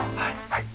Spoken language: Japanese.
はい。